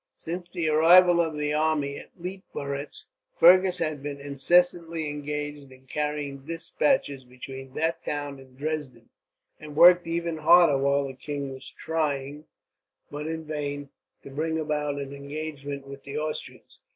Since the arrival of the army at Leitmeritz, Fergus had been incessantly engaged in carrying despatches between that town and Dresden; and worked even harder while the king was trying, but in vain, to bring about an engagement with the Austrians.